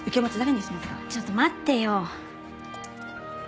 ちょっと待ってよ！